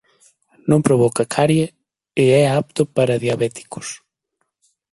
Non provoca carie e é apto para diabéticos.